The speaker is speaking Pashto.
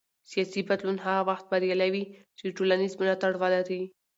سیاسي بدلون هغه وخت بریالی وي چې ټولنیز ملاتړ ولري